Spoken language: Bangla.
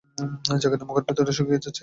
জাকারিয়ার মুখের ভেতরটা শুকিয়ে যাচ্ছে।